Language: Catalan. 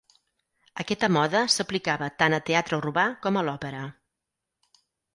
Aquesta moda s'aplicava tant a teatre urbà com a l'òpera.